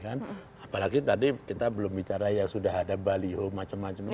apalagi tadi kita belum bicara yang sudah ada baliho macam macam